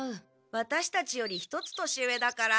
ワタシたちより１つ年上だから。